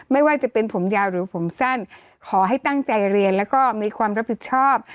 ไม่ว่าจะเป็นผมยาวหรือผมสั้นขอให้ตั้งใจเรียนแล้วก็มีความรับผิดชอบ